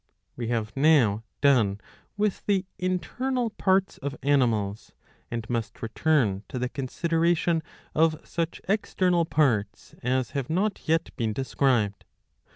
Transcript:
We have now done with the internal parts of animals, and must return to the consideration of such external parts as have not yet been described.